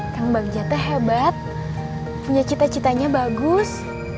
kan bang jatah hebat punya cita citanya bagus